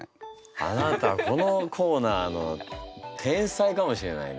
あなたこのコーナーの天才かもしれないね。